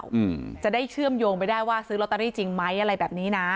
อืมจะได้เชื่อมโยงไปได้ว่าซื้อลอตเตอรี่จริงไหมอะไรแบบนี้นะ